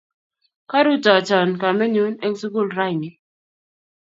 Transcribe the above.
Karutochon kamennyu eng' sukul rani